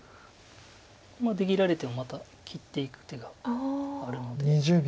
出切られてもまた切っていく手があるので。